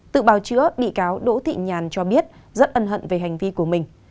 tự bào chữa bị cáo đỗ thị nhàn cho biết rất ân hận về hành vi của mình